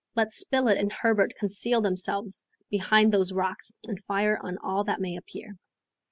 Let Spilett and Herbert conceal themselves behind those rocks and fire on all that may appear."